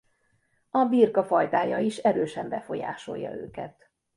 A birka fajtája is erősen befolyásolja őket.